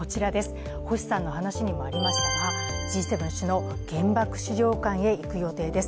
星さんの話にもありましたが、Ｇ７首脳原爆資料館へ行く予定です。